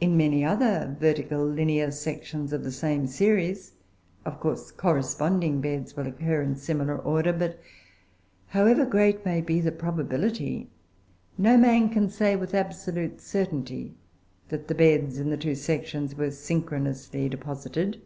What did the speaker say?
In many other vertical linear sections of the same series, of course, corresponding beds will occur in a similar order; but, however great may be the probability, no man can say with absolute certainty that the beds in the two sections were synchronously deposited.